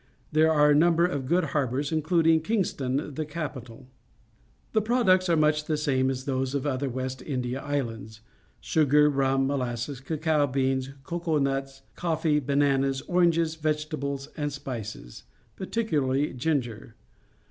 There are a number of good harbours, including Kingston, the ca pital . The products are much the same as those of the other West India Islands — sugar, rum, molasses, cacao beans, cocoa nuts, coffee, bananas, oranges, vegetables, and spices, particularly ginger.